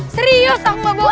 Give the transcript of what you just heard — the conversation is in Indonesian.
serius takut mbak bapak